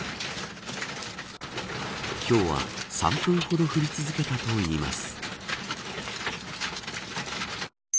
ひょうは３分ほど降り続けたといいます。